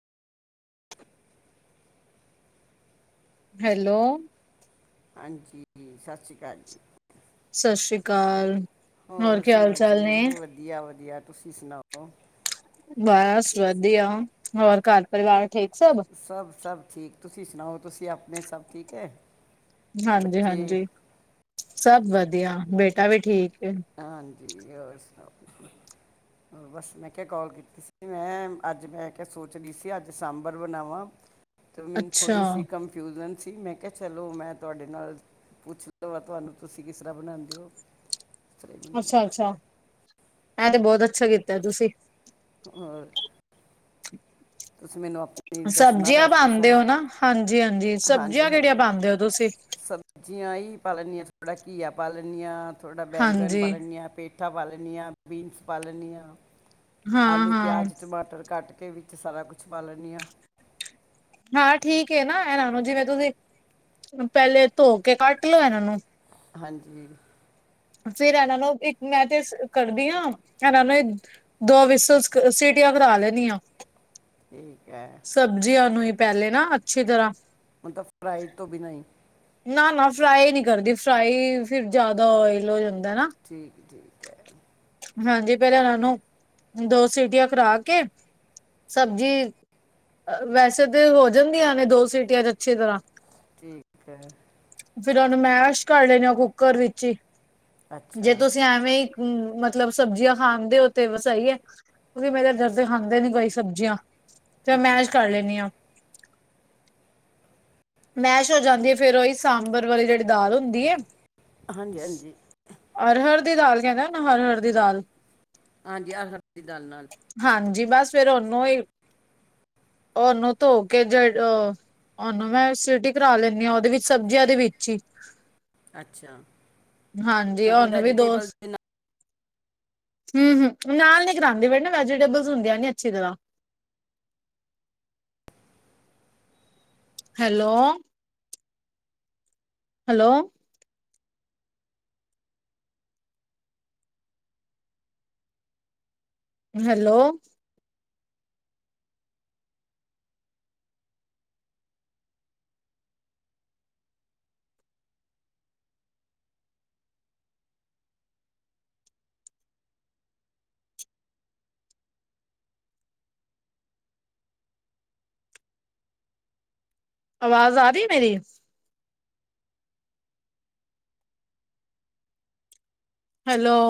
Hello ਹਾਂਜੀ ਸਤਿ ਸ਼੍ਰੀ ਅਕਾਲ ਜੀ ਸਤਿ ਸ੍ਰੀ ਅਕਾਲ ਹੋਰ ਕੀ ਹਾਲ ਸੁਣਾਓ ਜੀ ਚਾਲ ਨੇ ਵਧੀਆ ਵਧੀਆ। ਤੁਸੀਂ ਸੁਣਾਓ ਬਸ ਵਧੀਆ ਹੋਰ ਘਰ ਪਰਿਵਾਰ ਸਭ ਸਭ ਠੀਕ ਤੁਸੀਂ। ਸੁਣਾਓ ਤੁਸੀਂ ਆਪਣੇ ਸਭ ਠੀਕ ਹੈ। ਹਾਂਜੀ ਬੱਚੇ ਹਾਂਜੀ। ਸਭ ਵਧੀਆ ਬੇਟਾ ਵੀ ਠੀਕ ਹੈ ਹਾਂਜੀ ਜੀ ਹੋਰ ਸੁਣਾਓ ਬਸ ਮੈਂ ਕਿਹਾ ਕਾਲ ਕੀਤੀ ਸੀ ਮੈਂ ਅੱਜ ਮੈਂ ਕਿਹਾ ਸੋਚ ਰ ਸੀ ਅੱਜ ਸਾਂਬਰ ਬਣਾਵਾਂ। ਮੈਨੂੰ ਅੱਛਾ ਥੋੜ੍ਹੀ ਸੀ ਕ ਕੰਫਿਊਜ਼ਨ ਸੀ ਮੈਂ ਕਿਹਾ ਚਲੋ ਮੈਂ ਤੁਹਾਡੇ ਨਾਲ ਪੁੱਛ ਲ ਤੁਹਾਨੂੰ ਤੁਸੀਂ ਕਿਸ ਤਰ੍ਹਾਂ ਬਣਾਉਂਦੇ ਹੋ। ਕਿਸ ਤਰ੍ਹਾਂ ਹੀ ਬਣਾਵਾਂ ਅੱਛਾ ਅੱਛਾ। ਐਂ ਤੇ ਬਹੁਤ ਅੱਛਾ ਕੀਤਾ ਤੁਸੀਂ- ਹੋਰ ਤੁਸੀਂ ਮੈਨੂੰ ਆਪਣੀ ਦੱਸਣਾ ਸਬਜ਼ੀਆਂ ਰੈਸਪੀ ਸਾ ਪਾਉਂਦੇ ਹੋ ਨਾ ਹਾਂਜੀ ਹਾਂਜੀ ਹਾਂਜੀ ਸਬਜ਼ੀਆਂ ਕਿਹੜੀਆਂ ਹਾਂਜੀ ਪਾਉਂਦੇ ਹੋ ਤੁਸੀਂ ਸਬਜ਼ੀਆਂ ਹੀ ਪਾ ਲੈਨੀ ਆ ਥੋੜ੍ਹਾ ਘੀਆ ਪਾ ਲੈਨੀ ਆ। ਥੋੜਾ ਬੈਂਗਨ ਪਾ ਹਾਂਜੀ ਲੈਨੀ ਹਾਂ ਪੇਠਾ ਪੇਠਾ ਪਾ ਲੈਨੀ ਆ ਬੀਸ ਪਾ ਲੇਨੀ ਆ। ਹਾਂ ਆਲੂ ਹਾਂ ਪਿਆਜ਼ ਟਮਾਟਰ ਘੱਟ ਕੇ ਵੀ, ਸਾਰਾ ਕੁਛ ਪਾ ਲੈਨੀ ਆ। ਹਾਂ ਠੀਕ ਹੈ ਨਾ ਇਹਨਾਂ ਨੂੰ ਜਿਵੇਂ ਤੁਸੀਂ ਪਹਿਲੇ ਧੋ ਕੇ ਕੱਟ ਲਓ ਇਹਨਾਂ ਨੂੰ ਹਾਂਜੀ, ਫੇਰ ਇਹਨਾਂ ਨੂੰ ਇੱਕ ਮੈਂ ਤੇ ਕਰਦੀ ਹਾਂ ਇਹਨਾਂ ਨੂੰ ਦੋ ਵਿਸ ਸੀਟੀਆਂ ਕਰਾ ਲੈਂਨੀ ਆ, ਠੀਕ ਹੈ ਸਬਜ਼ੀਆਂ ਨੂੰ ਈ, ਪਹਿਲੇ ਨਾ ਅੱਛੀ ਤਰ੍ਹਾਂ ਮਤਲਬ ਫਰਾਈ ਤੋਂ ਬਿਨਾ ਹੀ, ਨਾ-ਨਾ ਫਰਾਈ ਨੀ ਕਰਦੀ ਫਰਾਈ ਫਿਰ ਜ਼ਿਆਦਾ ਓਇਲ ਹੋ ਜਾਂਦੀ। ਠੀਕ ਠੀਕ ਹੈ, ਹਾਂਜੀ ਪਹਿਲਾ ਉਹਨਾਂ ਨੂੰ ਦੋ ਸੀਟੀਆਂ ਖਾ ਕੇ ਸਬਜ਼ੀ ਵੈਸੇ ਤਾਂ ਹੋ ਜਾਂਦੀਆਂ ਨੇ ਦੋ ਸੀਟੀਆਂ ਚ ਅੱਛੀ ਤਰ੍ਹਾਂ ਠੀਕ ਹੈ, ਫ਼ੇਰ ਉਹਨੂੰ ਮੈਸ਼ ਕਰ ਲੈਣੇ ਉਹ ਕੁੱਕਰ ਵਿੱਚ, ਜੇ ਅੱਛਾ ਤੁਸੀਂ ਐਵੇਂ ਹੀ ਮਤਲ ਮਤਲਬ ਸਬਜ਼ੀਆਂ ਖਾਦੇ ਹੋ ਤੇ ਸਹੀ ਏ ਕਿਉਂਕਿ ਮੇਰਾ ਘਰ ਦੇ ਖਾਂਦੇ ਨੀ ਕਈ ਸਬਜ਼ੀਆਂ, ਫਿਰ ਮੈਸ਼ ਠੀਕ ਕਰ ਹੈ ਲੈਨੀ ਆ। ਮੈਸ਼ ਹੋ ਜਾਂਦੀ ਐ, ਫੇਰ ਉਹੀ ਸਾਂਬਰ ਵਾਲੀ ਜਿਹੜੀ ਦਾਲ ਹੁੰਦੀ ਹੈ। ਹਾਂਜੀ-ਹਾਂਜੀ, ਅਰਹਰ ਦੀ ਦਾਲ ਕਹਿੰਦੇ ਨਾ ਹਰਹਰ ਦੀ ਦਾਲ, ਹਾਂਜੀ ਅਰਹਰ ਦੀ ਦਾਲ ਨਾਲ, ਫਿਰ ਨੂੰ ਹੀ ਨੂੰ ਧੋ ਕੇ ਉਨੂੰ ਮੈਂ ਸਿਟੀ ਕਰਾ ਲੈਂਨੀ ਹਾਂ। ਵਿੱਚ ਸਬਜ਼ੀਆਂ ਦੇ ਵਿੱਚ ਹੀ, ਅੱਛਾ, ਹਾਂਜੀ ਮਤਲਬ ਵੈਜੀਟੇਬਲ ਦੇ ਨਾਲ ਹੂੰ, ਨਾਲ ਨੀ ਕਰਾਂਦੀ ਬਟ ਵੈਜੀਟੇਬਲਸ ਹੁੰਦੀਆਂ ਨੀ ਅੱਛੀ ਤਰ੍ਹਾਂ, ਹੈਲੋ, ਹੈਲੋ, ਹੈਲੋ, ਆਵਾਜ਼ ਆ ਰਹੀ ਮੇਰੀ? ਹੈਲੋ,